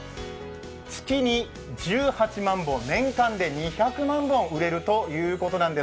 月に１８万本、年間で２００万本売れるということなんです。